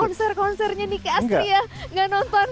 konser konsernya niki astri ya enggak nonton